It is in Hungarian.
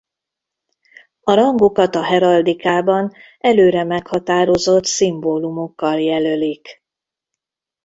A rangokat a heraldikában előre meghatározott szimbólumokkal jelölik.